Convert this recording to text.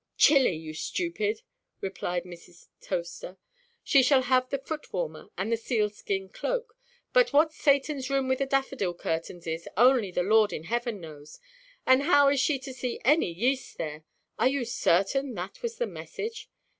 "Chilly, you stupid," replied Mrs. Toaster. "She shall have the foot–warmer and the seal–skin cloak; but what Satanʼs room with the daffodil curtains is, only the Lord in heaven knows; and how she is to see any yeast there! Are you certain that was the message?"